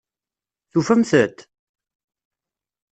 Tufamt-t?